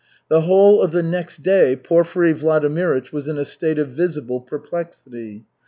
The whole of the next day Porfiry Vladimirych was in a state of visible perplexity.